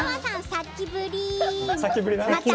さっきぶりー。